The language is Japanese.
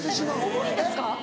重いんですか？